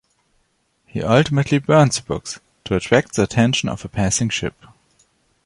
He ultimately burns the books to attract the attention of a passing ship.